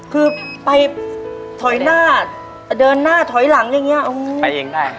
คือไปถอยหน้าเดินหน้าถอยหลังอย่างเงี้ยไปเองได้ครับ